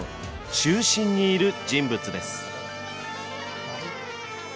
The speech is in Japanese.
中心にいる人物です。